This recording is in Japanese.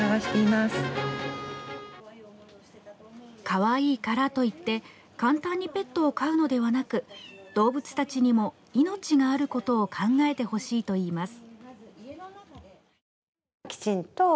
可愛いからといって簡単にペットを飼うのではなく動物たちにも命があることを考えてほしいといいます。